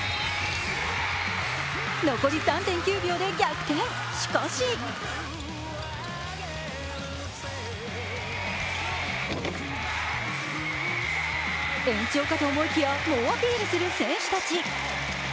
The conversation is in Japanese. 残り３．９秒で逆転、しかし延長かと思いきや、猛アピールする選手たち。